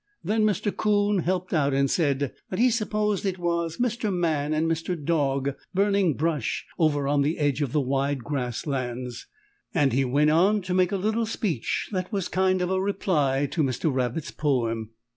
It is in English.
Then Mr. 'Coon helped out and said that he s'posed it was Mr. Man and Mr. Dog burning brush over on the edge of the Wide Grass Lands, and he went on to make a little speech that was kind of a reply to Mr. Rabbit's poem.